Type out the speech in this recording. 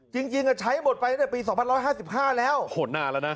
จริงใช้หมดไปในปี๒๕๕๕แล้วโหหน้าแล้วนะ